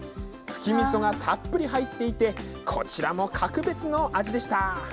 ふきみそがたっぷり入っていて、こちらも格別の味でした。